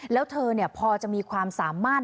แล้วเธอพอจะมีความสามารถ